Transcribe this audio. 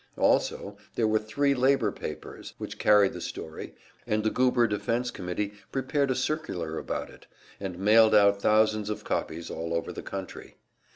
Also there were three labor papers which carried the story, and the Goober Defense Committee prepared a circular about it and mailed out thousands of copies all over the country.